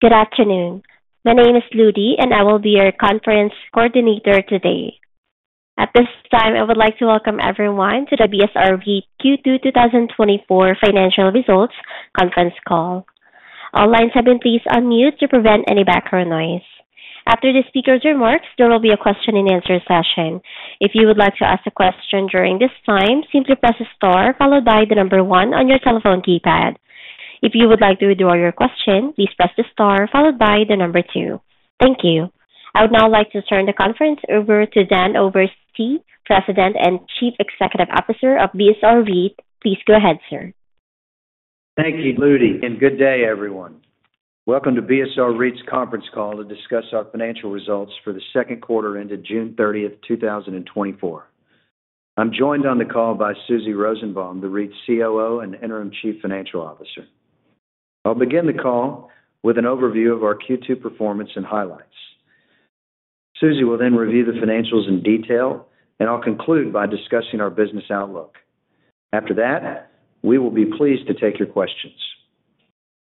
Good afternoon. My name is Ludy, and I will be your conference coordinator today. At this time, I would like to welcome everyone to the BSR REIT Q2 2024 Financial Results Conference Call. All lines have been placed on mute to prevent any background noise. After the speaker's remarks, there will be a question-and-answer session. If you would like to ask a question during this time, simply press star followed by the number one on your telephone keypad. If you would like to withdraw your question, please press the star followed by the number two. Thank you. I would now like to turn the conference over to Dan Oberste, President and Chief Executive Officer of BSR REIT. Please go ahead, sir. Thank you, Ludy, and good day, everyone. Welcome to BSR REIT's conference call to discuss our financial results for the second quarter ended June 30, 2024. I'm joined on the call by Susie Rosenbaum, the REIT's COO and Interim Chief Financial Officer. I'll begin the call with an overview of our Q2 performance and highlights. Susie will then review the financials in detail, and I'll conclude by discussing our business outlook. After that, we will be pleased to take your questions.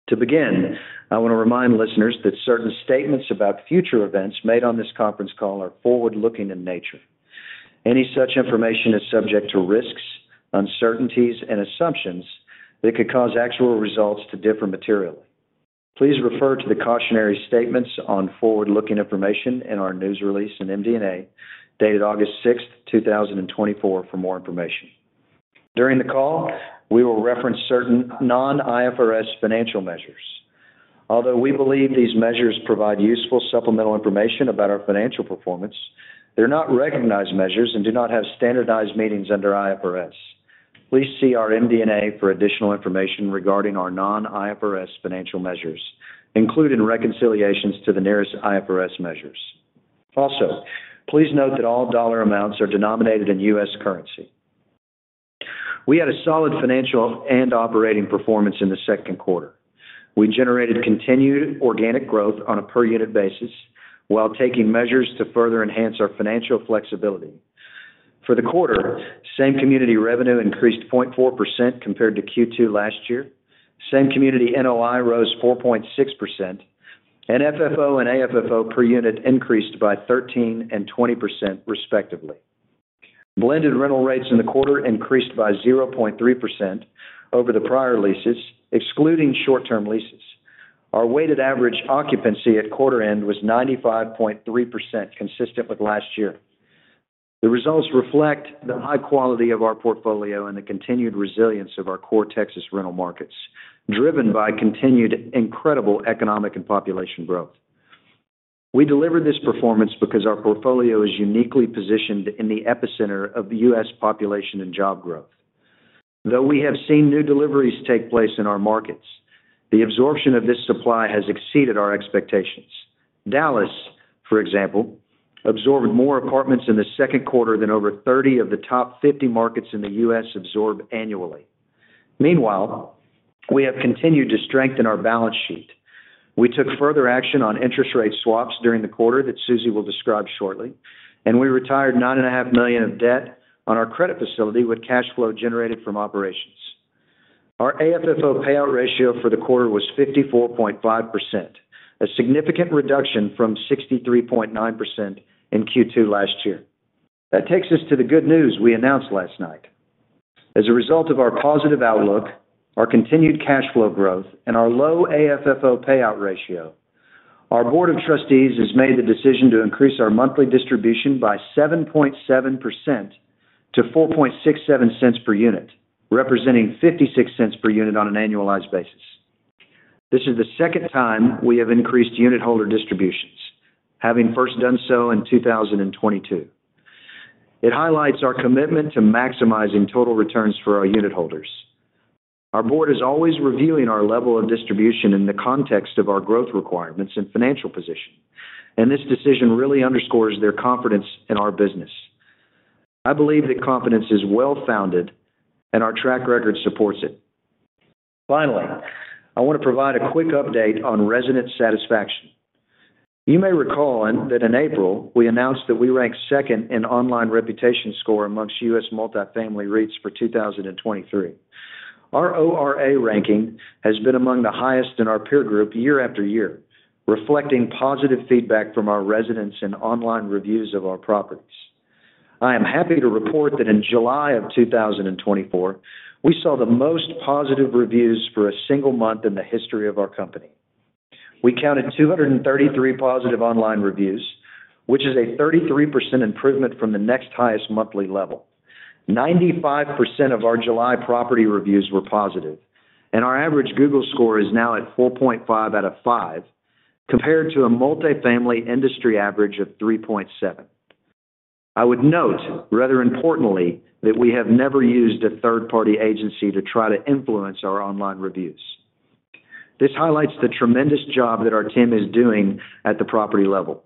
To begin, I want to remind listeners that certain statements about future events made on this conference call are forward-looking in nature. Any such information is subject to risks, uncertainties, and assumptions that could cause actual results to differ materially. Please refer to the cautionary statements on forward-looking information in our news release in MD&A, dated August 6, 2024, for more information. During the call, we will reference certain non-IFRS financial measures. Although we believe these measures provide useful supplemental information about our financial performance, they're not recognized measures and do not have standardized meanings under IFRS. Please see our MD&A for additional information regarding our non-IFRS financial measures, including reconciliations to the nearest IFRS measures. Also, please note that all dollar amounts are denominated in U.S. currency. We had a solid financial and operating performance in the second quarter. We generated continued organic growth on a per unit basis while taking measures to further enhance our financial flexibility. For the quarter, Same-Community revenue increased 0.4% compared to Q2 last year. Same-Community NOI rose 4.6%, and FFO and AFFO per unit increased by 13% and 20%, respectively. Blended rental rates in the quarter increased by 0.3% over the prior leases, excluding short-term leases. Our weighted average occupancy at quarter end was 95.3%, consistent with last year. The results reflect the high quality of our portfolio and the continued resilience of our core Texas rental markets, driven by continued incredible economic and population growth. We delivered this performance because our portfolio is uniquely positioned in the epicenter of the U.S. population and job growth. Though we have seen new deliveries take place in our markets, the absorption of this supply has exceeded our expectations. Dallas, for example, absorbed more apartments in the second quarter than over 30 of the top 50 markets in the U.S. absorb annually. Meanwhile, we have continued to strengthen our balance sheet. We took further action on interest rate swaps during the quarter that Susie will describe shortly, and we retired $9.5 million of debt on our credit facility with cash flow generated from operations. Our AFFO payout ratio for the quarter was 54.5%, a significant reduction from 63.9% in Q2 last year. That takes us to the good news we announced last night. As a result of our positive outlook, our continued cash flow growth, and our low AFFO payout ratio, our board of trustees has made the decision to increase our monthly distribution by 7.7% to $0.0467 per unit, representing $0.56 per unit on an annualized basis. This is the second time we have increased unitholder distributions, having first done so in 2022. It highlights our commitment to maximizing total returns for our unitholders. Our board is always reviewing our level of distribution in the context of our growth requirements and financial position, and this decision really underscores their confidence in our business. I believe that confidence is well-founded, and our track record supports it. Finally, I want to provide a quick update on resident satisfaction. You may recall that in April, we announced that we ranked second in online reputation score amongst U.S. multifamily REITs for 2023. Our ORA ranking has been among the highest in our peer group year after year, reflecting positive feedback from our residents and online reviews of our properties. I am happy to report that in July of 2024, we saw the most positive reviews for a single month in the history of our company. We counted 233 positive online reviews, which is a 33% improvement from the next highest monthly level. 95% of our July property reviews were positive, and our average Google score is now at 4.5 out of 5, compared to a multifamily industry average of 3.7. I would note, rather importantly, that we have never used a third-party agency to try to influence our online reviews. This highlights the tremendous job that our team is doing at the property level.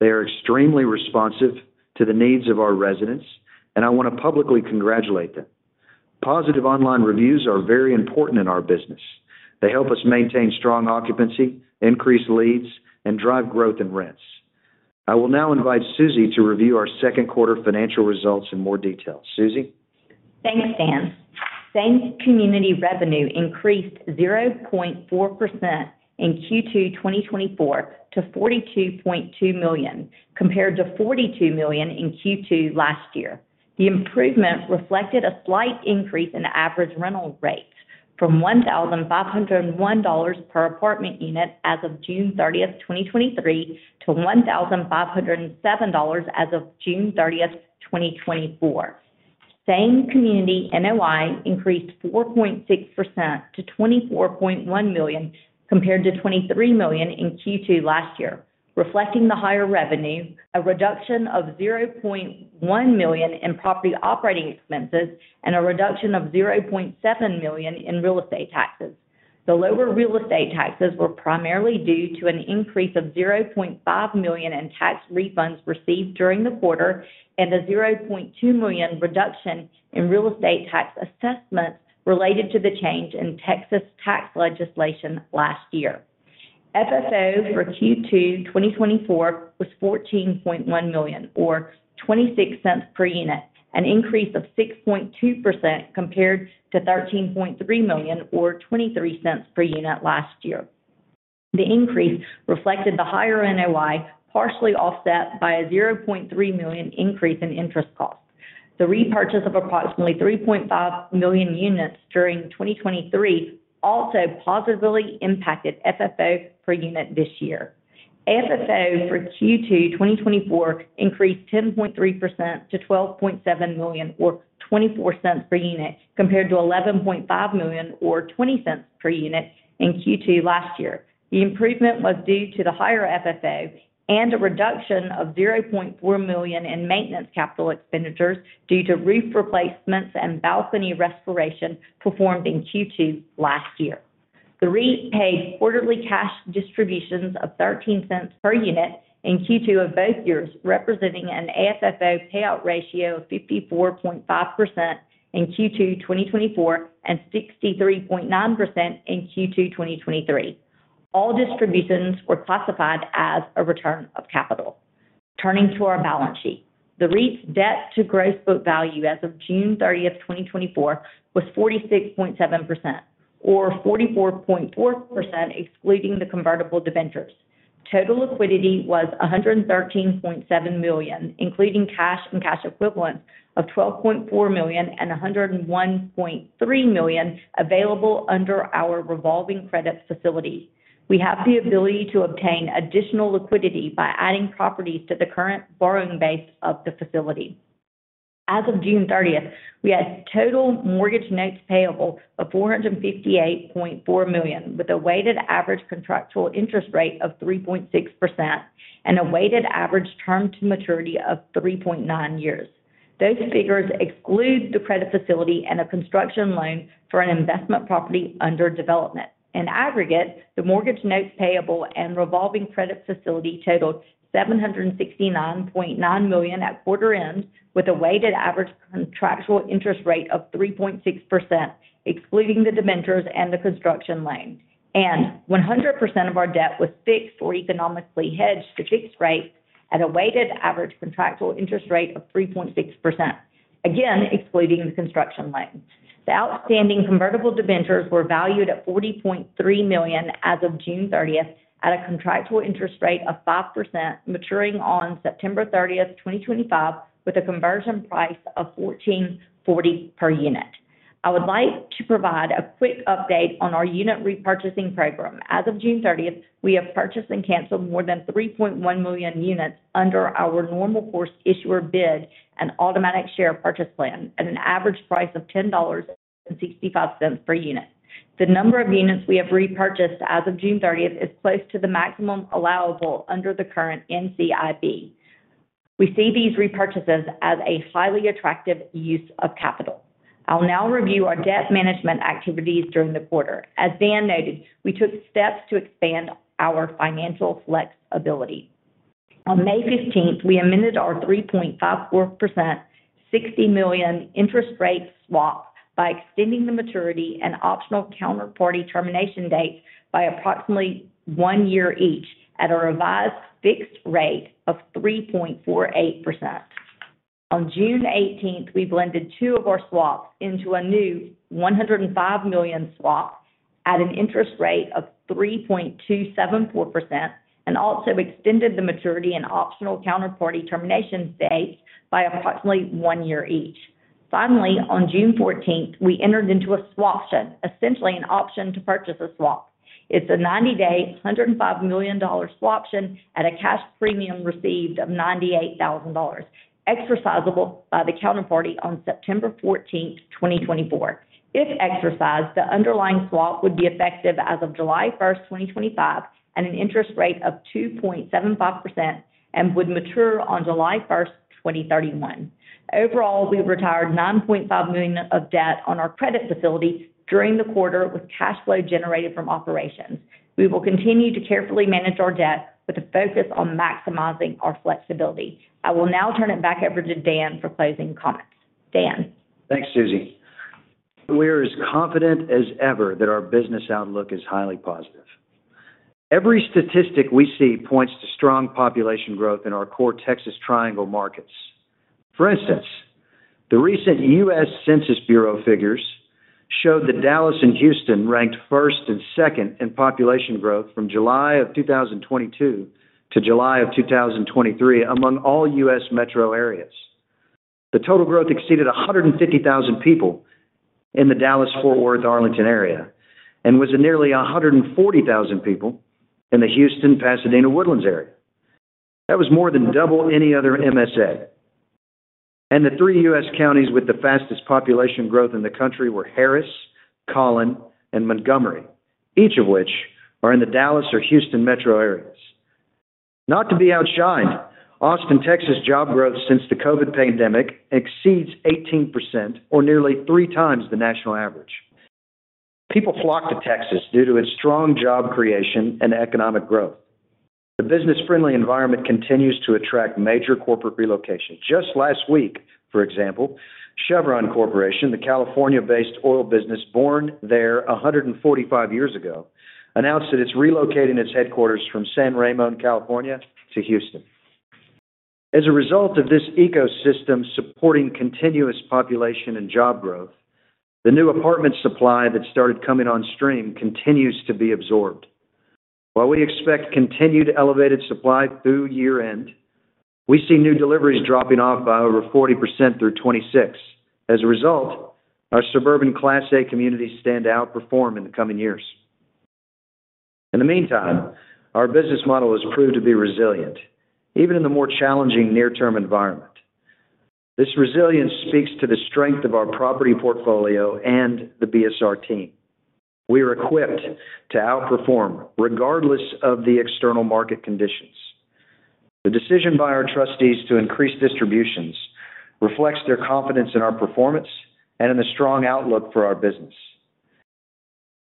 They are extremely responsive to the needs of our residents, and I want to publicly congratulate them. Positive online reviews are very important in our business. They help us maintain strong occupancy, increase leads, and drive growth in rents.... I will now invite Susie to review our second quarter financial results in more detail. Susie? Thanks, Dan. Same-Community revenue increased 0.4% in Q2 2024 to $42.2 million, compared to $42 million in Q2 last year. The improvement reflected a slight increase in the average rental rates from $1,501 per apartment unit as of June 30, 2023, to $1,507 as of June 30, 2024. Same-Community NOI increased 4.6% to $24.1 million, compared to $23 million in Q2 last year, reflecting the higher revenue, a reduction of $0.1 million in property operating expenses, and a reduction of $0.7 million in real estate taxes. The lower real estate taxes were primarily due to an increase of $0.5 million in tax refunds received during the quarter and a $0.2 million reduction in real estate tax assessments related to the change in Texas tax legislation last year. FFO for Q2 2024 was $14.1 million, or $0.26 per unit, an increase of 6.2% compared to $13.3 million, or $0.23 per unit last year. The increase reflected the higher NOI, partially offset by a $0.3 million increase in interest costs. The repurchase of approximately 3.5 million units during 2023 also positively impacted FFO per unit this year. AFFO for Q2 2024 increased 10.3% to $12.7 million, or $0.24 per unit, compared to $11.5 million, or $0.20 per unit, in Q2 last year. The improvement was due to the higher FFO and a reduction of $0.4 million in maintenance capital expenditures due to roof replacements and balcony restoration performed in Q2 last year. The REIT paid quarterly cash distributions of $0.13 per unit in Q2 of both years, representing an AFFO payout ratio of 54.5% in Q2 2024, and 63.9% in Q2 2023. All distributions were classified as a return of capital. Turning to our balance sheet. The REIT's debt to gross book value as of June 30, 2024, was 46.7%, or 44.4%, excluding the convertible debentures. Total liquidity was $113.7 million, including cash and cash equivalents of $12.4 million and $101.3 million available under our revolving credit facility. We have the ability to obtain additional liquidity by adding properties to the current borrowing base of the facility. As of June thirtieth, we had total mortgage notes payable of $458.4 million, with a weighted average contractual interest rate of 3.6% and a weighted average term to maturity of 3.9 years. Those figures exclude the credit facility and a construction loan for an investment property under development. In aggregate, the mortgage notes payable and revolving credit facility totaled $769.9 million at quarter end, with a weighted average contractual interest rate of 3.6%, excluding the debentures and the construction loan.100% of our debt was fixed or economically hedged to fixed rates at a weighted average contractual interest rate of 3.6%, again, excluding the construction loan. The outstanding convertible debentures were valued at $40.3 million as of June 30, at a contractual interest rate of 5%, maturing on September 30, 2025, with a conversion price of 14.40 per unit. I would like to provide a quick update on our unit repurchasing program. As of June 30th, we have purchased and canceled more than 3.1 million units under our normal course issuer bid and automatic share purchase plan at an average price of $10.65 per unit. The number of units we have repurchased as of June 30th is close to the maximum allowable under the current NCIB. We see these repurchases as a highly attractive use of capital. I'll now review our debt management activities during the quarter. As Dan noted, we took steps to expand our financial flexibility. On May 15th, we amended our 3.54% $60 million interest rate swap by extending the maturity and optional counterparty termination dates by approximately 1 year each, at a revised fixed rate of 3.48%. On June 18, we blended two of our swaps into a new $105 million swap at an interest rate of 3.274%, and also extended the maturity and optional counterparty termination dates by approximately 1 year each. Finally, on June 14, we entered into a swaption, essentially an option to purchase a swap. It's a 90-day, $105 million swaption at a cash premium received of $98,000, exercisable by the counterparty on September 14, 2024. If exercised, the underlying swap would be effective as of July 1, 2025, at an interest rate of 2.75% and would mature on July 1, 2031. Overall, we've retired $9.5 million of debt on our credit facility during the quarter with cash flow generated from operations. We will continue to carefully manage our debt with a focus on maximizing our flexibility. I will now turn it back over to Dan for closing comments. Dan? Thanks, Susie. We are as confident as ever that our business outlook is highly positive. Every statistic we see points to strong population growth in our core Texas Triangle markets. For instance, the recent U.S. Census Bureau figures showed that Dallas and Houston ranked first and second in population growth from July of 2022 to July of 2023 among all U.S. metro areas. The total growth exceeded 150,000 people in the Dallas-Fort Worth, Arlington area, and was nearly 140,000 people in the Houston, Pasadena, Woodlands area. That was more than double any other MSA. The three U.S. counties with the fastest population growth in the country were Harris, Collin, and Montgomery, each of which are in the Dallas or Houston metro areas. Not to be outshined, Austin, Texas, job growth since the COVID pandemic exceeds 18% or nearly three times the national average. People flock to Texas due to its strong job creation and economic growth. The business-friendly environment continues to attract major corporate relocation. Just last week, for example, Chevron Corporation, the California-based oil business, born there 145 years ago, announced that it's relocating its headquarters from San Ramon, California, to Houston. As a result of this ecosystem supporting continuous population and job growth, the new apartment supply that started coming on stream continues to be absorbed. While we expect continued elevated supply through year-end, we see new deliveries dropping off by over 40% through 2026. As a result, our suburban Class A communities stand to outperform in the coming years. In the meantime, our business model has proved to be resilient, even in the more challenging near-term environment. This resilience speaks to the strength of our property portfolio and the BSR team. We are equipped to outperform regardless of the external market conditions. The decision by our trustees to increase distributions reflects their confidence in our performance and in the strong outlook for our business.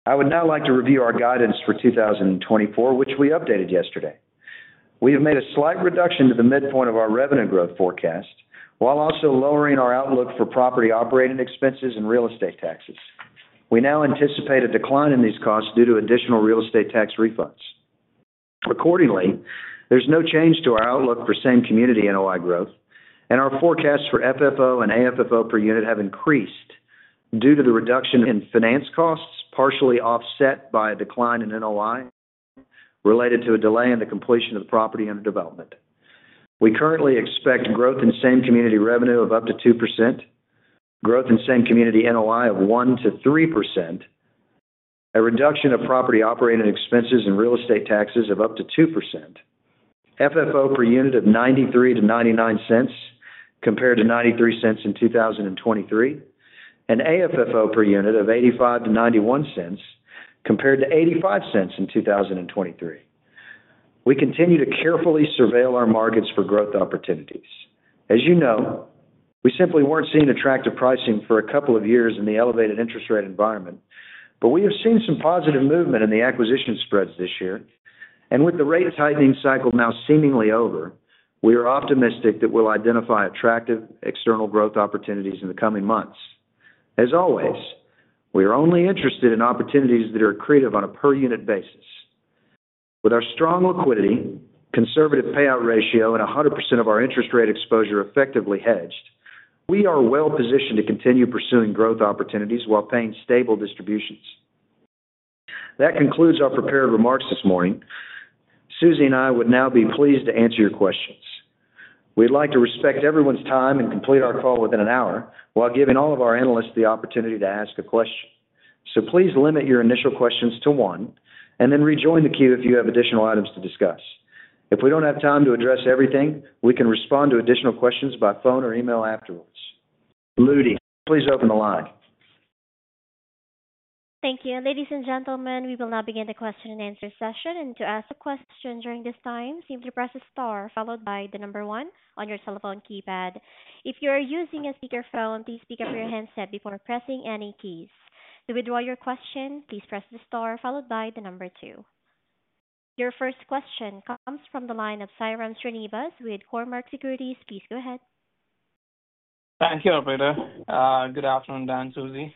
I would now like to review our guidance for 2024, which we updated yesterday. We have made a slight reduction to the midpoint of our revenue growth forecast, while also lowering our outlook for property operating expenses and real estate taxes. We now anticipate a decline in these costs due to additional real estate tax refunds. Accordingly, there's no change to our outlook for same community NOI growth, and our forecasts for FFO and AFFO per unit have increased due to the reduction in finance costs, partially offset by a decline in NOI related to a delay in the completion of the property under development. We currently expect growth in same community revenue of up to 2%, growth in same community NOI of 1%-3%, a reduction of property operating expenses and real estate taxes of up to 2%, FFO per unit of $0.93-$0.99 compared to $0.93 in 2023, and AFFO per unit of $0.85-$0.91 compared to $0.85 in 2023. We continue to carefully surveil our markets for growth opportunities. As you know, we simply weren't seeing attractive pricing for a couple of years in the elevated interest rate environment, but we have seen some positive movement in the acquisition spreads this year, and with the rate tightening cycle now seemingly over, we are optimistic that we'll identify attractive external growth opportunities in the coming months. As always, we are only interested in opportunities that are accretive on a per unit basis. With our strong liquidity, conservative payout ratio, and 100% of our interest rate exposure effectively hedged, we are well positioned to continue pursuing growth opportunities while paying stable distributions. That concludes our prepared remarks this morning. Susie and I would now be pleased to answer your questions. We'd like to respect everyone's time and complete our call within an hour, while giving all of our analysts the opportunity to ask a question. Please limit your initial questions to one, and then rejoin the queue if you have additional items to discuss. If we don't have time to address everything, we can respond to additional questions by phone or email afterwards. Ludy, please open the line. Thank you. Ladies and gentlemen, we will now begin the question and answer session. To ask a question during this time, simply press star followed by one on your telephone keypad. If you are using a speakerphone, please pick up your handset before pressing any keys. To withdraw your question, please press the star followed by two. Your first question comes from the line of Sairam Srinivas with Cormark Securities. Please go ahead. Thank you, operator. Good afternoon, Dan, Susie.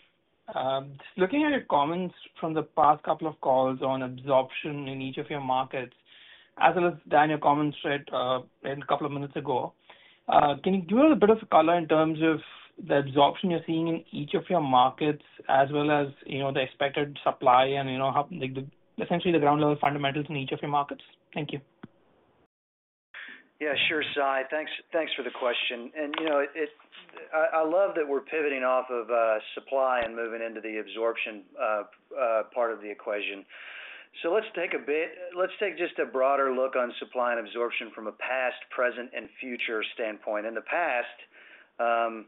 Looking at your comments from the past couple of calls on absorption in each of your markets, as well as, Dan, your comments straight, in a couple of minutes ago, can you give a little bit of color in terms of the absorption you're seeing in each of your markets, as well as, you know, the expected supply and, you know, how, like the, essentially the ground level fundamentals in each of your markets? Thank you. Yeah, sure, Sai. Thanks, thanks for the question. And, you know, it's—I love that we're pivoting off of supply and moving into the absorption part of the equation. So let's take just a broader look on supply and absorption from a past, present, and future standpoint. In the past,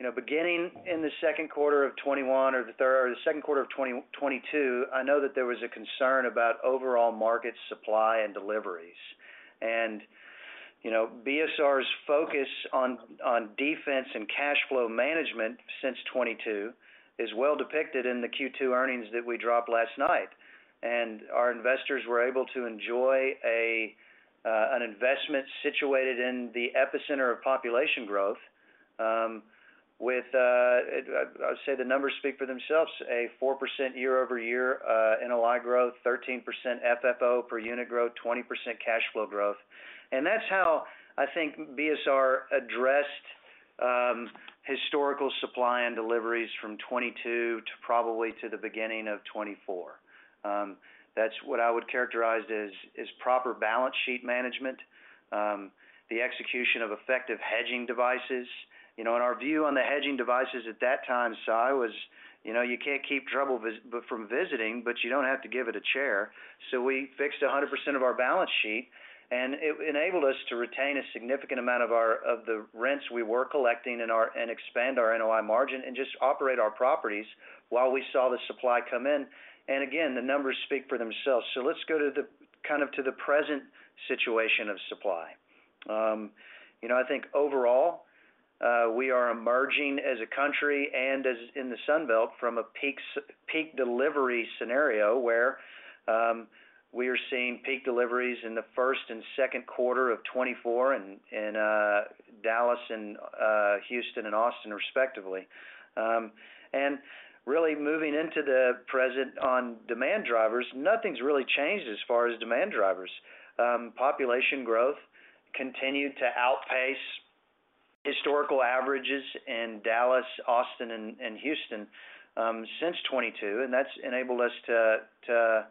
you know, beginning in the second quarter of 2021 or the third or the second quarter of 2022, I know that there was a concern about overall market supply and deliveries. And, you know, BSR's focus on defense and cash flow management since 2022 is well depicted in the Q2 earnings that we dropped last night. And our investors were able to enjoy an investment situated in the epicenter of population growth... with, I'd say the numbers speak for themselves, a 4% year-over-year NOI growth, 13% FFO per unit growth, 20% cash flow growth. And that's how I think BSR addressed historical supply and deliveries from 2022 to probably the beginning of 2024. That's what I would characterize as proper balance sheet management, the execution of effective hedging devices. You know, and our view on the hedging devices at that time, Sai, was, you know, you can't keep trouble from visiting, but you don't have to give it a chair. So we fixed 100% of our balance sheet, and it enabled us to retain a significant amount of the rents we were collecting and expand our NOI margin, and just operate our properties while we saw the supply come in. And again, the numbers speak for themselves. So let's go to the, kind of, to the present situation of supply. You know, I think overall, we are emerging as a country and as in the Sun Belt, from a peak delivery scenario, where we are seeing peak deliveries in the first and second quarter of 2024 in Dallas and Houston and Austin, respectively. And really moving into the present on demand drivers, nothing's really changed as far as demand drivers. Population growth continued to outpace historical averages in Dallas, Austin, and Houston since 2022, and that's enabled us to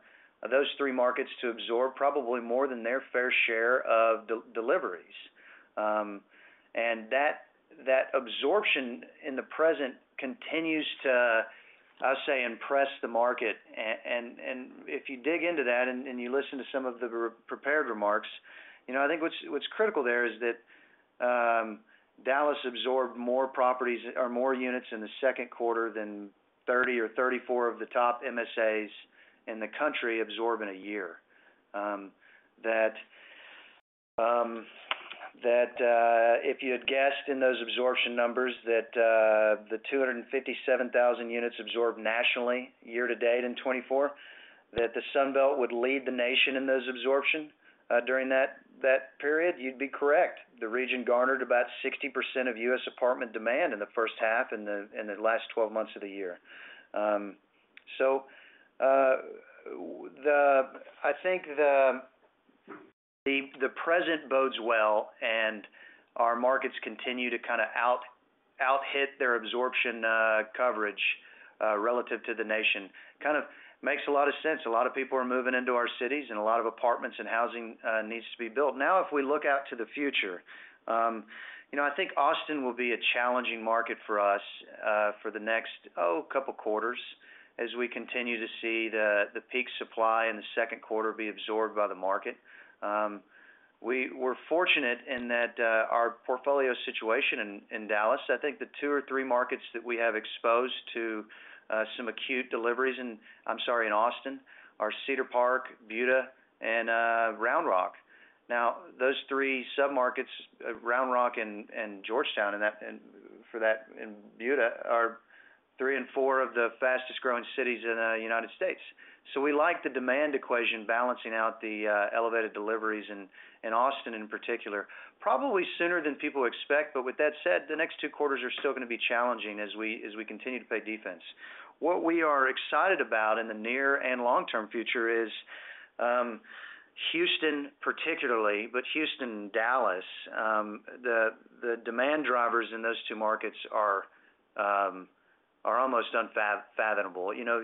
those three markets to absorb probably more than their fair share of deliveries. And that absorption in the present continues to, I'll say, impress the market. And if you dig into that and you listen to some of the prepared remarks, you know, I think what's critical there is that Dallas absorbed more properties or more units in the second quarter than 30 or 34 of the top MSAs in the country absorb in a year. That if you had guessed in those absorption numbers that the 257,000 units absorbed nationally year to date in 2024, that the Sun Belt would lead the nation in those absorption during that period, you'd be correct. The region garnered about 60% of U.S. apartment demand in the first half, in the last 12 months of the year. So, the... I think the present bodes well, and our markets continue to kind of outhit their absorption coverage relative to the nation. Kind of makes a lot of sense. A lot of people are moving into our cities, and a lot of apartments and housing needs to be built. Now, if we look out to the future, you know, I think Austin will be a challenging market for us for the next couple quarters, as we continue to see the peak supply in the second quarter be absorbed by the market. We were fortunate in that our portfolio situation in Dallas, I think the two or three markets that we have exposed to some acute deliveries in, I'm sorry, in Austin, are Cedar Park, Buda, and Round Rock. Now, those three submarkets, Round Rock and Georgetown, and Buda, are three and four of the fastest growing cities in United States. So we like the demand equation balancing out the elevated deliveries in Austin in particular, probably sooner than people expect. But with that said, the next two quarters are still going to be challenging as we continue to play defense. What we are excited about in the near and long-term future is Houston particularly, but Houston and Dallas, the demand drivers in those two markets are almost unfathomable. You know,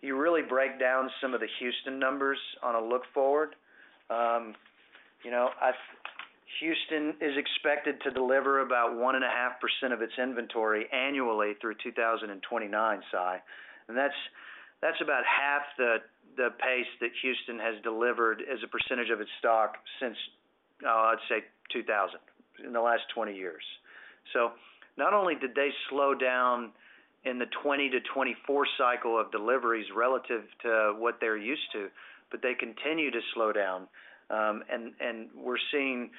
you really break down some of the Houston numbers on a look forward. You know, Houston is expected to deliver about 1.5% of its inventory annually through 2029, Sai, and that's about half the pace that Houston has delivered as a percentage of its stock since, I'd say 2000, in the last 20 years. So not only did they slow down in the 2020-2024 cycle of deliveries relative to what they're used to, but they continue to slow down. And we're seeing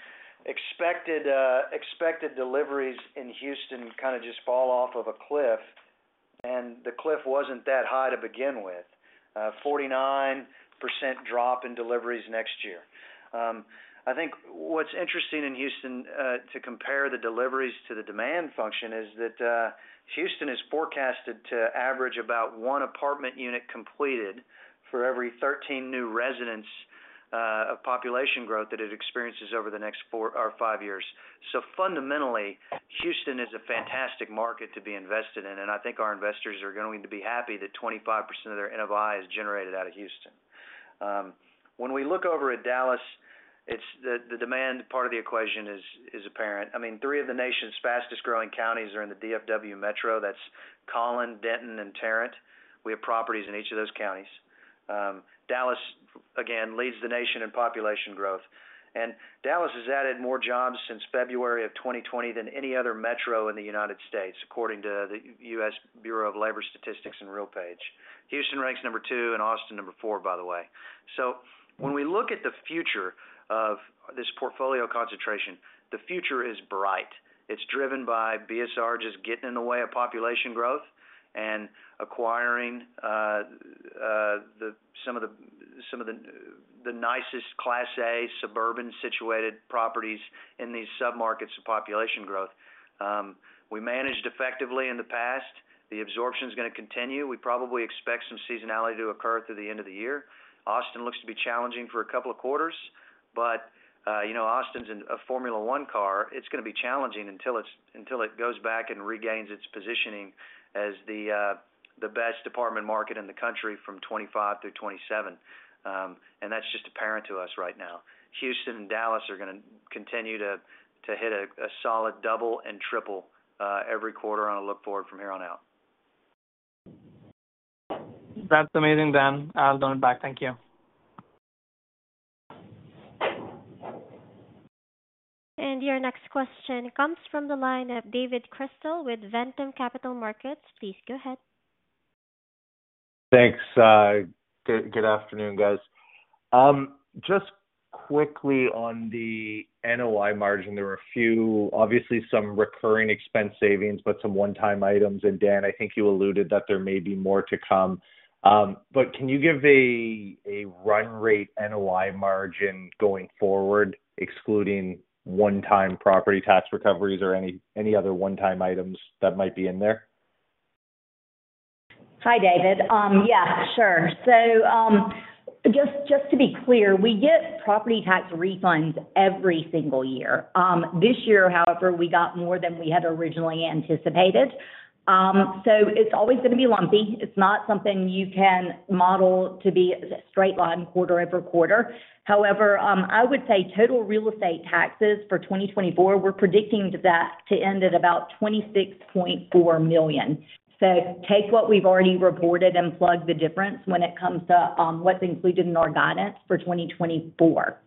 expected deliveries in Houston kind of just fall off of a cliff, and the cliff wasn't that high to begin with. 49% drop in deliveries next year. I think what's interesting in Houston, to compare the deliveries to the demand function is that, Houston is forecasted to average about 1 apartment unit completed for every 13 new residents, of population growth that it experiences over the next four or five years. So fundamentally, Houston is a fantastic market to be invested in, and I think our investors are going to be happy that 25% of their NOI is generated out of Houston. When we look over at Dallas, it's. The demand part of the equation is apparent. I mean, three of the nation's fastest growing counties are in the DFW metro. That's Collin, Denton, and Tarrant. We have properties in each of those counties. Dallas, again, leads the nation in population growth. Dallas has added more jobs since February of 2020 than any other metro in the United States, according to the US Bureau of Labor Statistics and RealPage. Houston ranks number two, and Austin, number four, by the way. So when we look at the future of this portfolio concentration, the future is bright. It's driven by BSR just getting in the way of population growth and acquiring some of the nicest Class A suburban situated properties in these submarkets of population growth. We managed effectively in the past. The absorption is gonna continue. We probably expect some seasonality to occur through the end of the year. Austin looks to be challenging for a couple of quarters, but you know, Austin's in a Formula One car. It's gonna be challenging until it goes back and regains its positioning as the best apartment market in the country from 2025 through 2027. And that's just apparent to us right now. Houston and Dallas are gonna continue to hit a solid double and triple every quarter on a look forward from here on out. That's amazing, Dan. I'll hand it back. Thank you. Your next question comes from the line of David Chrystal with Ventum Capital Markets. Please go ahead. Thanks, good, good afternoon, guys. Just quickly on the NOI margin, there were a few, obviously, some recurring expense savings, but some one-time items. Dan, I think you alluded that there may be more to come. But can you give a run rate NOI margin going forward, excluding one-time property tax recoveries or any other one-time items that might be in there? Hi, David. Yeah, sure. So, just to be clear, we get property tax refunds every single year. This year, however, we got more than we had originally anticipated. So it's always gonna be lumpy. It's not something you can model to be straight line quarter-over-quarter. However, I would say total real estate taxes for 2024, we're predicting that to end at about $26.4 million. So take what we've already reported and plug the difference when it comes to, what's included in our guidance for 2024.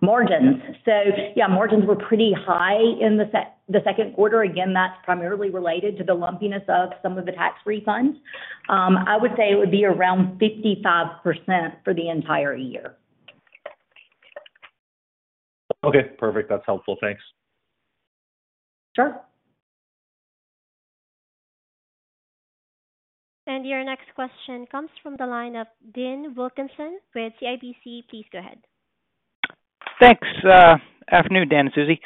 Margins. So yeah, margins were pretty high in the second quarter. Again, that's primarily related to the lumpiness of some of the tax refunds. I would say it would be around 55% for the entire year. Okay, perfect. That's helpful. Thanks. Sure. Your next question comes from the line of Dean Wilkinson with CIBC. Please go ahead. Thanks, afternoon, Dan and Susie.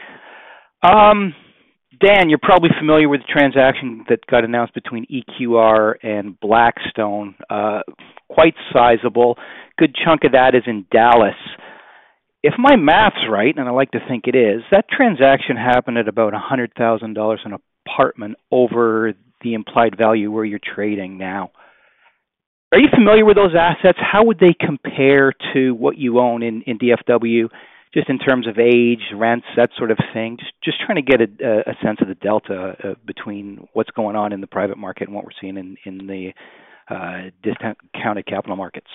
Dan, you're probably familiar with the transaction that got announced between EQR and Blackstone. Quite sizable. Good chunk of that is in Dallas. If my math's right, and I like to think it is, that transaction happened at about $100,000 an apartment over the implied value where you're trading now. Are you familiar with those assets? How would they compare to what you own in DFW, just in terms of age, rents, that sort of thing? Just trying to get a sense of the delta between what's going on in the private market and what we're seeing in the discount to the capital markets.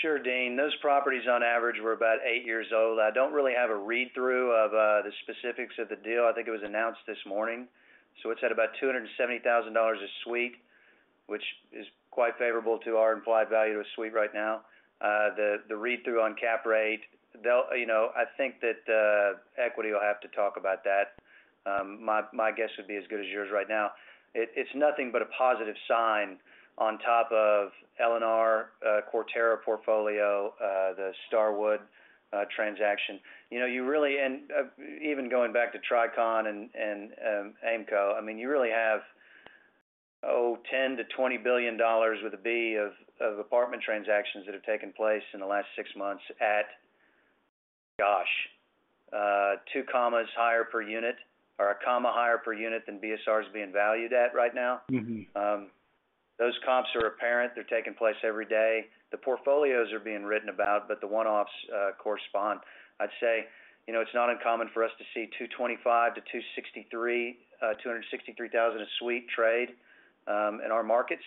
Sure, Dane. Those properties, on average, were about eight years old. I don't really have a read-through of the specifics of the deal. I think it was announced this morning. So it's at about $270,000 a suite, which is quite favorable to our implied value of a suite right now. The read-through on cap rate, they'll... You know, I think that equity will have to talk about that. My guess would be as good as yours right now. It's nothing but a positive sign on top of Lennar, the Quarterra portfolio, the Starwood transaction. You know, you really even going back to Tricon and Aimco, I mean, you really have, oh, $10 billion-$20 billion of apartment transactions that have taken place in the last six months at, gosh, two commas higher per unit or a comma higher per unit than BSR is being valued at right now. Mm-hmm. Those comps are apparent. They're taking place every day. The portfolios are being written about, but the one-offs correspond. I'd say, you know, it's not uncommon for us to see $225,000-$263,000 a suite trade in our markets.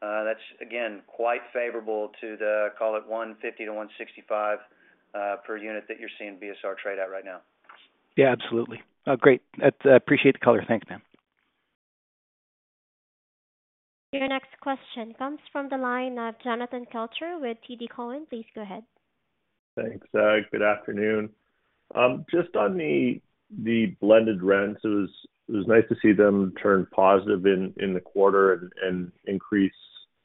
That's again, quite favorable to the, call it, $150-$165 per unit that you're seeing BSR trade at right now. Yeah, absolutely. Great. I appreciate the color. Thank you, ma'am. Your next question comes from the line of Jonathan Kelcher with TD Cowen. Please go ahead. Thanks, good afternoon. Just on the blended rents, it was nice to see them turn positive in the quarter and increase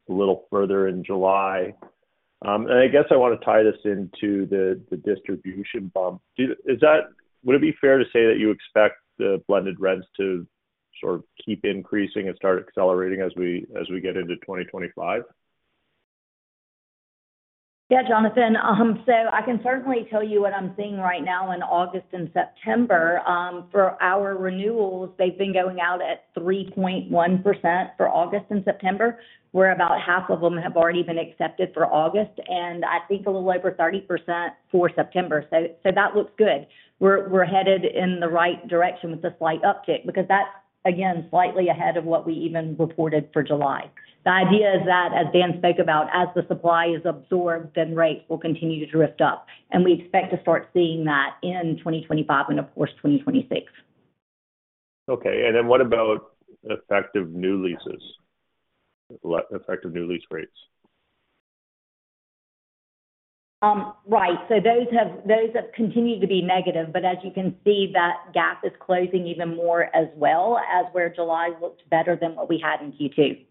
a little further in July. And I guess I want to tie this into the distribution bump. Is that, would it be fair to say that you expect the blended rents to sort of keep increasing and start accelerating as we get into 2025? Yeah, Jonathan. So I can certainly tell you what I'm seeing right now in August and September. For our renewals, they've been going out at 3.1% for August and September, where about half of them have already been accepted for August, and I think a little over 30% for September. So that looks good. We're headed in the right direction with a slight uptick because that's, again, slightly ahead of what we even reported for July. The idea is that, as Dan spoke about, as the supply is absorbed, then rates will continue to drift up, and we expect to start seeing that in 2025 and of course, 2026. Okay, and then what about effective new leases, effective new lease rates? ... right. So those have continued to be negative, but as you can see, that gap is closing even more as well, as where July looked better than what we had in Q2.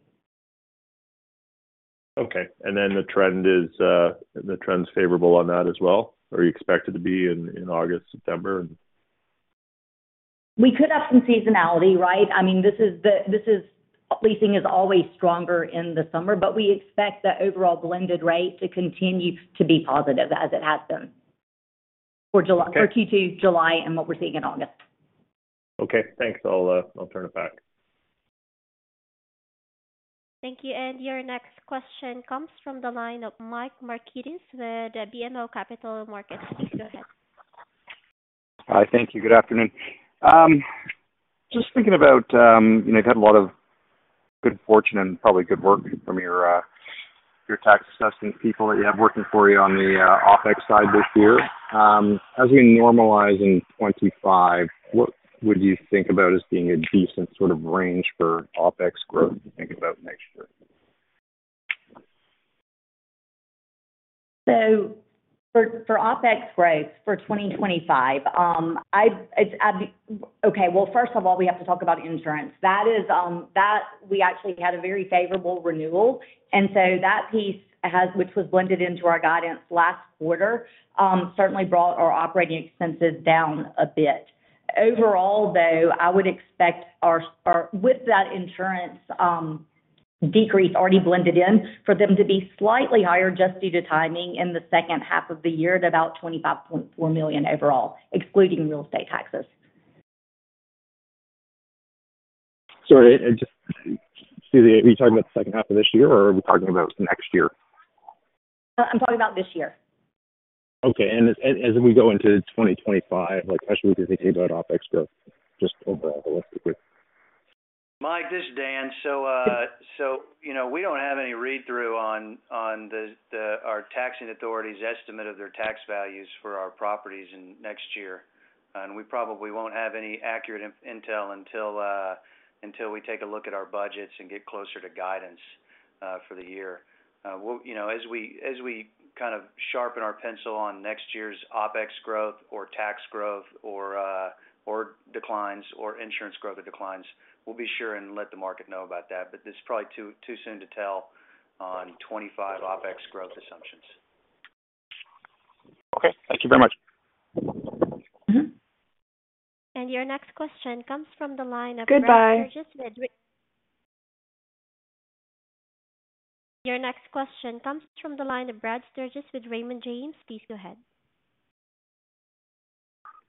Okay, and then the trend is, the trend's favorable on that as well? Or you expect it to be in August, September, and? We could have some seasonality, right? I mean, this is, leasing is always stronger in the summer, but we expect the overall blended rate to continue to be positive as it has been for July. Okay. For Q2, July, and what we're seeing in August. Okay, thanks. I'll turn it back. Thank you. Your next question comes from the line of Mike Markidis with BMO Capital Markets. Please go ahead. Hi. Thank you, good afternoon. Just thinking about, you know, you've had a lot of good fortune and probably good work from your, your tax assessment people that you have working for you on the, OpEx side this year. As we normalize in 2025, what would you think about as being a decent sort of range for OpEx growth to think about next year? So for OpEx growth for 2025, I'd be— Okay, well, first of all, we have to talk about insurance. That is, that we actually had a very favorable renewal, and so that piece has, which was blended into our guidance last quarter, certainly brought our operating expenses down a bit. Overall, though, I would expect our, with that insurance decrease already blended in, for them to be slightly higher just due to timing in the second half of the year, to about $25.4 million overall, excluding real estate taxes. Sorry, excuse me, are you talking about the second half of this year, or are we talking about next year? I'm talking about this year. Okay, and as we go into 2025, like, how should we think about OpEx growth, just overall, realistically? Mike, this is Dan. So, you know, we don't have any read-through on the our taxing authorities' estimate of their tax values for our properties in next year. And we probably won't have any accurate intel until until we take a look at our budgets and get closer to guidance for the year. We'll, you know, as we as we kind of sharpen our pencil on next year's OpEx growth or tax growth or or declines or insurance growth or declines, we'll be sure and let the market know about that. But it's probably too soon to tell on 2025 OpEx growth assumptions. Okay. Thank you very much. Mm-hmm. Your next question comes from the line of Brad- Goodbye. Your next question comes from the line of Brad Sturges with Raymond James. Please go ahead.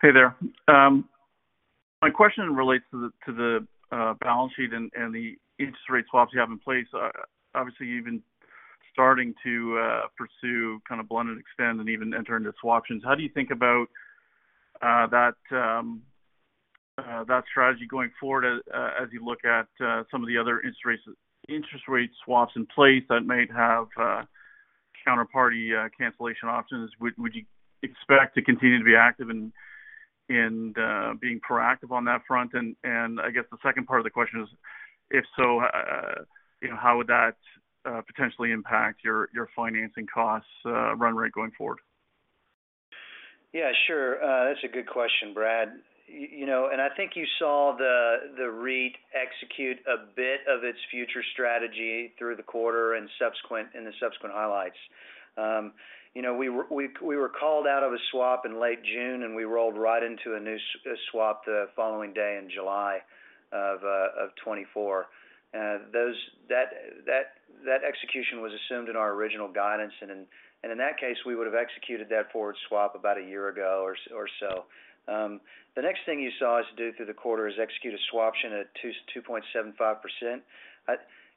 Hey there. My question relates to the balance sheet and the interest rate swaps you have in place. Obviously, you've been starting to pursue kind of blended extend and even enter into swaptions. How do you think about that strategy going forward as you look at some of the other interest rate swaps in place that might have counterparty cancellation options? Would you expect to continue to be active and being proactive on that front? And I guess the second part of the question is, if so, you know, how would that potentially impact your financing costs run rate going forward? Yeah, sure. That's a good question, Brad. You know, and I think you saw the REIT execute a bit of its future strategy through the quarter and in the subsequent highlights. You know, we were called out of a swap in late June, and we rolled right into a new swap the following day in July of 2024. That execution was assumed in our original guidance, and in that case, we would have executed that forward swap about a year ago or so. The next thing you saw us do through the quarter is execute a swaption at 2.75%.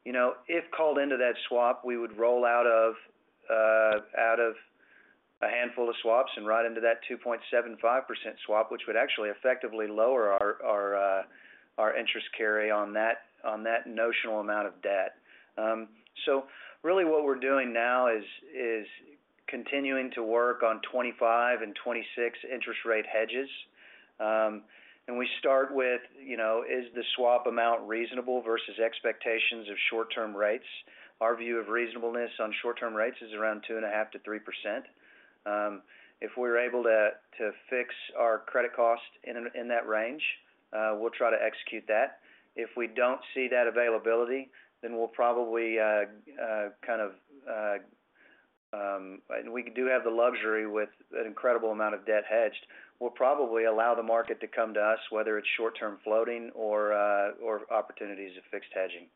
You know, if called into that swap, we would roll out of, out of a handful of swaps and right into that 2.75% swap, which would actually effectively lower our, our, our interest carry on that, on that notional amount of debt. So really what we're doing now is continuing to work on 25 and 26 interest rate hedges. And we start with, you know, is the swap amount reasonable versus expectations of short-term rates? Our view of reasonableness on short-term rates is around 2.5%-3%. If we're able to fix our credit cost in that range, we'll try to execute that. If we don't see that availability, then we'll probably kind of, and we do have the luxury with an incredible amount of debt hedged. We'll probably allow the market to come to us, whether it's short-term floating or, or opportunities of fixed hedging.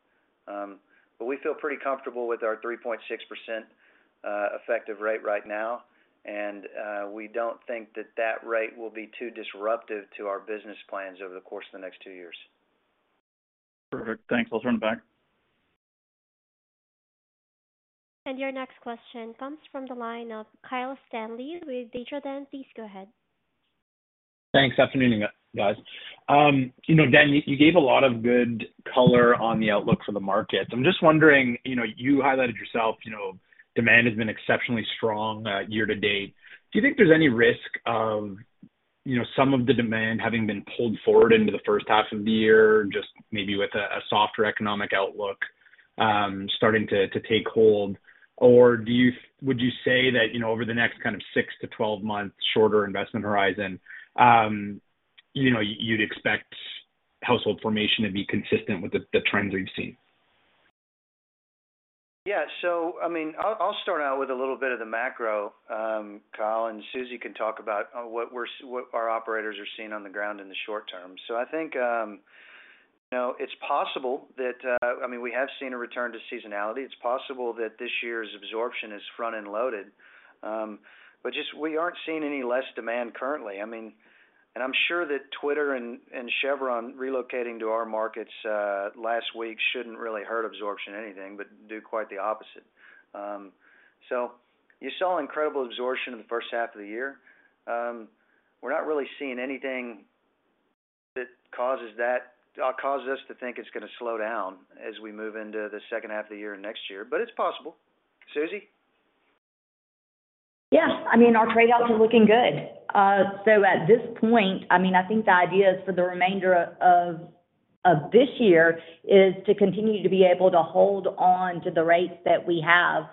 But we feel pretty comfortable with our 3.6% effective rate right now, and, we don't think that that rate will be too disruptive to our business plans over the course of the next two years. Perfect. Thanks. I'll turn it back. Your next question comes from the line of Kyle Stanley with Desjardins. Please go ahead. Thanks. Afternoon, guys. You know, Dan, you gave a lot of good color on the outlook for the market. I'm just wondering, you know, you highlighted yourself, you know, demand has been exceptionally strong, year to date. Do you think there's any risk of-... you know, some of the demand having been pulled forward into the first half of the year, just maybe with a softer economic outlook starting to take hold? Or do you- would you say that, you know, over the next kind of six-12 months, shorter investment horizon, you know, you'd expect household formation to be consistent with the trends we've seen? Yeah. So I mean, I'll start out with a little bit of the macro, Kyle, and Susie can talk about what our operators are seeing on the ground in the short term. So I think, you know, it's possible that... I mean, we have seen a return to seasonality. It's possible that this year's absorption is front-end loaded. But just we aren't seeing any less demand currently. I mean, and I'm sure that Twitter and Chevron relocating to our markets last week shouldn't really hurt absorption anything, but do quite the opposite. So you saw incredible absorption in the first half of the year. We're not really seeing anything that causes us to think it's gonna slow down as we move into the second half of the year and next year, but it's possible. Susie? Yes, I mean, our trade outs are looking good. So at this point, I mean, I think the idea is for the remainder of this year is to continue to be able to hold on to the rates that we have,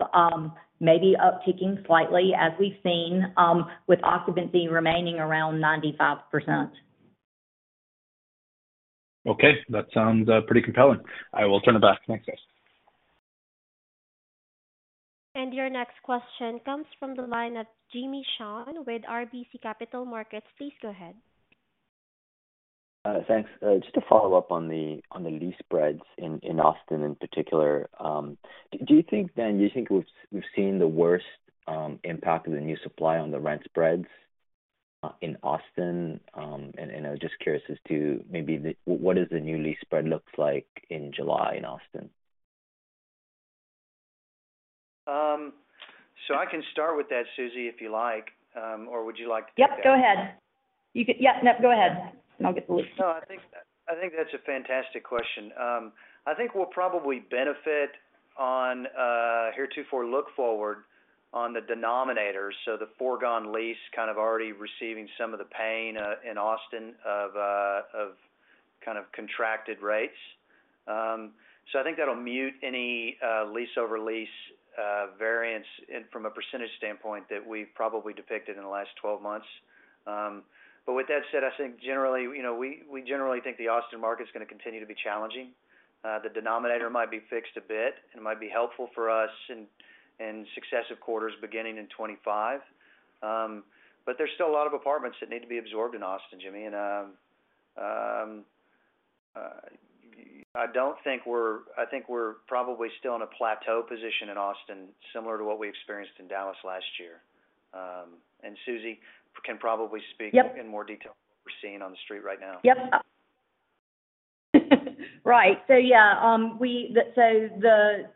maybe upticking slightly, as we've seen, with occupancy remaining around 95%. Okay, that sounds pretty compelling. I will turn it back. Thanks, guys. Your next question comes from the line of Jimmy Shan with RBC Capital Markets. Please go ahead. Thanks. Just to follow up on the lease spreads in Austin in particular. Do you think, Dan, we've seen the worst impact of the new supply on the rent spreads in Austin? And I'm just curious as to maybe what the new lease spread looks like in July in Austin? I can start with that, Susie, if you like, or would you like to take that? Yep, go ahead. You can... Yep, no, go ahead. I'll get the lease. No, I think, I think that's a fantastic question. I think we'll probably benefit on, here too, for look forward on the denominators. So the foregone lease kind of already receiving some of the pain, in Austin, of, of kind of contracted rates. So I think that'll mute any, lease over lease, variance in, from a percentage standpoint that we've probably depicted in the last 12 months. But with that said, I think generally, you know, we, we generally think the Austin market is gonna continue to be challenging. The denominator might be fixed a bit, and it might be helpful for us in, in successive quarters, beginning in 2025. But there's still a lot of apartments that need to be absorbed in Austin, Jimmy. I don't think we're. I think we're probably still in a plateau position in Austin, similar to what we experienced in Dallas last year. And Susie can probably speak- Yep. In more detail, what we're seeing on the street right now. Yep. Right. So, yeah, we, so the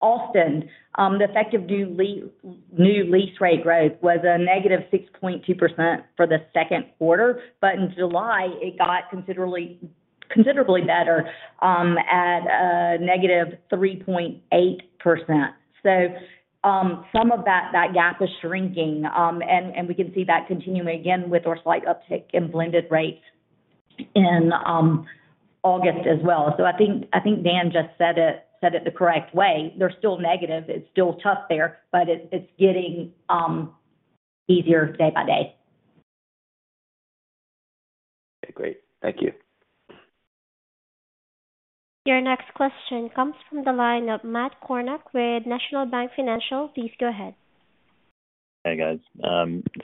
Austin, the effective new lease rate growth was a negative 6.2% for the second quarter, but in July, it got considerably better, at negative 3.8%. So, some of that gap is shrinking. And, we can see that continuing again with our slight uptick in blended rates in August as well. So I think, Dan just said it the correct way. They're still negative. It's still tough there, but it's getting easier day by day. Okay, great. Thank you. Your next question comes from the line of Matt Kornack with National Bank Financial. Please go ahead. Hey, guys.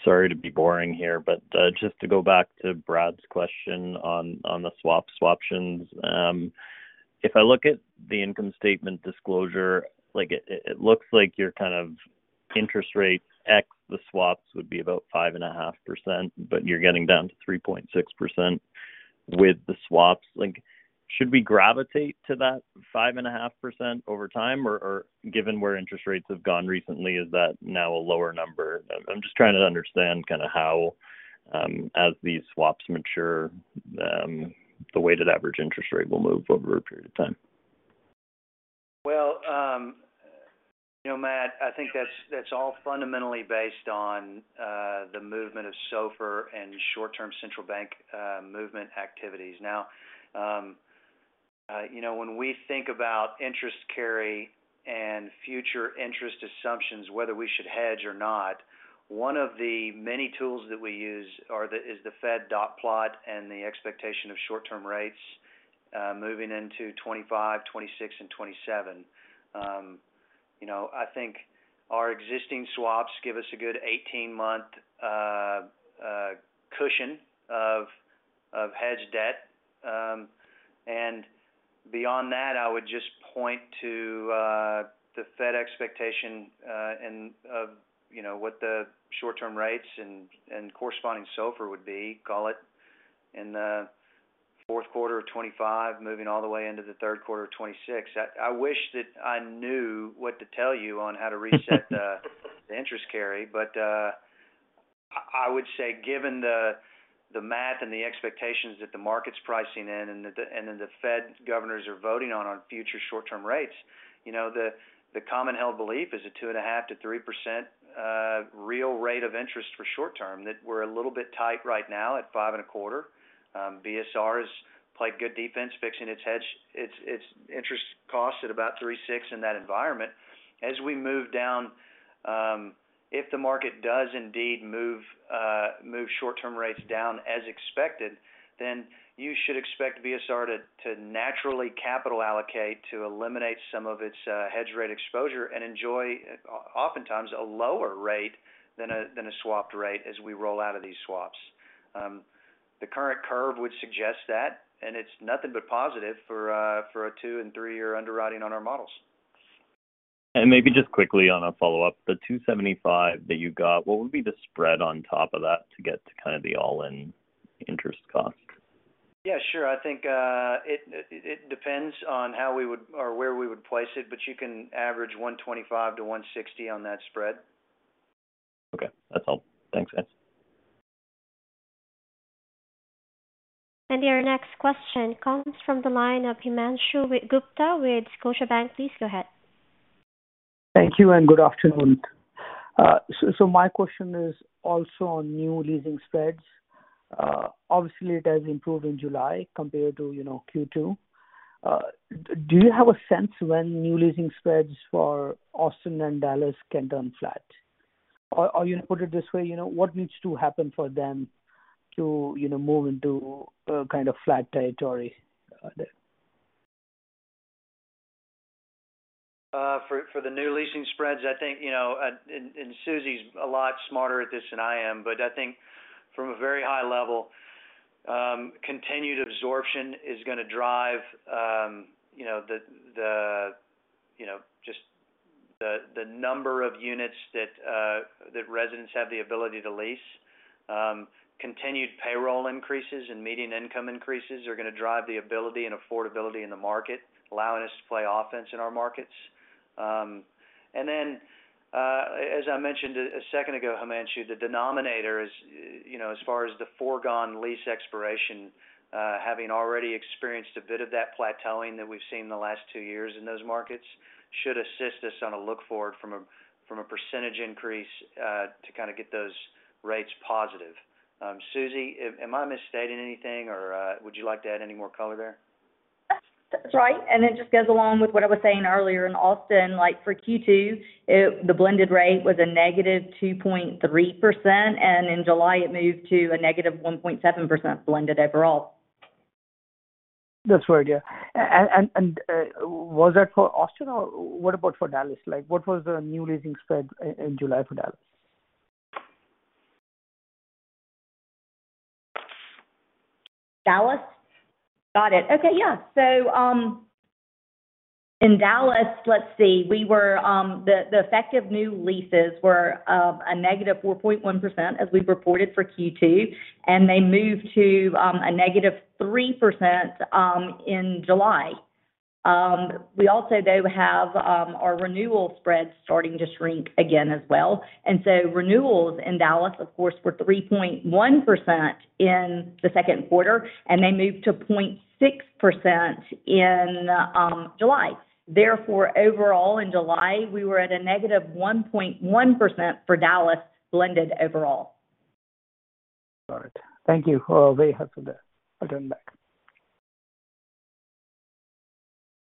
Sorry to be boring here, but just to go back to Brad's question on the swaps, swaptions. If I look at the income statement disclosure, like it looks like your kind of interest rate ex the swaps would be about 5.5%, but you're getting down to 3.6% with the swaps. Like, should we gravitate to that 5.5% over time? Or, given where interest rates have gone recently, is that now a lower number? I'm just trying to understand kind of how, as these swaps mature, the weighted average interest rate will move over a period of time. Well, you know, Matt, I think that's, that's all fundamentally based on, the movement of SOFR and short-term central bank, movement activities. Now, you know, when we think about interest carry and future interest assumptions, whether we should hedge or not, one of the many tools that we use are the, is the Fed dot plot and the expectation of short-term rates, moving into 25, 26 and 27. You know, I think our existing swaps give us a good 18-month, cushion of, of hedged debt. And beyond that, I would just point to, the Fed expectation, and, of, you know, what the short-term rates and, and corresponding SOFR would be, call it, in the fourth quarter of 2025, moving all the way into the third quarter of 2026. I wish that I knew what to tell you on how to reset the interest carry. But I would say, given the math and the expectations that the market's pricing in, and then the Fed governors are voting on future short-term rates. You know, the common-held belief is a 2.5%-3% real rate of interest for short term, that we're a little bit tight right now at 5.25%. BSR has played good defense, fixing its hedge, its interest costs at about 3.6% in that environment. As we move down, if the market does indeed move short-term rates down as expected, then you should expect BSR to naturally capital allocate to eliminate some of its hedge rate exposure and enjoy oftentimes a lower rate than a swapped rate as we roll out of these swaps. The current curve would suggest that, and it's nothing but positive for a two- and three-year underwriting on our models. Maybe just quickly on a follow-up, the 2.75 that you got, what would be the spread on top of that to get to kind of the all-in interest cost? Yeah, sure. I think, it depends on how we would or where we would place it, but you can average 125-160 on that spread. Okay, that's all. Thanks. Your next question comes from the line of Himanshu Gupta with Scotiabank. Please go ahead. Thank you, and good afternoon. So, my question is also on new leasing spreads. Obviously, it has improved in July compared to, you know, Q2. Do you have a sense when new leasing spreads for Austin and Dallas can turn flat? Or you put it this way, you know, what needs to happen for them to, you know, move into kind of flat territory there? For the new leasing spreads, I think, you know, Susie's a lot smarter at this than I am, but I think from a very high level, continued absorption is gonna drive, you know, just the number of units that residents have the ability to lease. Continued payroll increases and median income increases are gonna drive the ability and affordability in the market, allowing us to play offense in our markets. And then, as I mentioned a second ago, Himanshu, the denominator is, you know, as far as the foregone lease expiration, having already experienced a bit of that plateauing that we've seen in the last two years in those markets, should assist us on a look forward from a percentage increase, to kind of get those rates positive. Susie, am I misstating anything, or would you like to add any more color there? That's right, and it just goes along with what I was saying earlier in Austin. Like for Q2, the blended rate was a negative 2.3%, and in July, it moved to a negative 1.7% blended overall. That's right, yeah. And was that for Austin, or what about for Dallas? Like, what was the new leasing spread in July for Dallas? Dallas? Got it. Okay, yeah. So, in Dallas, let's see, we were... The effective new leases were a negative 4.1%, as we've reported for Q2, and they moved to a negative 3% in July. We also, though, have our renewal spreads starting to shrink again as well. And so renewals in Dallas, of course, were 3.1% in the second quarter, and they moved to 0.6% in July. Therefore, overall, in July, we were at a negative 1.1% for Dallas, blended overall. Got it. Thank you. Very helpful there. I turn back.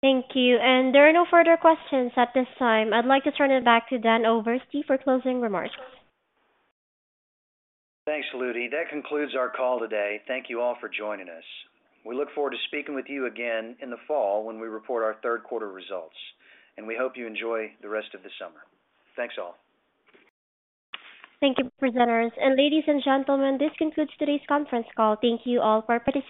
Thank you, and there are no further questions at this time. I'd like to turn it back to Dan Oberste for closing remarks. Thanks, Ludy. That concludes our call today. Thank you all for joining us. We look forward to speaking with you again in the fall when we report our third quarter results, and we hope you enjoy the rest of the summer. Thanks, all. Thank you, presenters. Ladies and gentlemen, this concludes today's conference call. Thank you all for participating.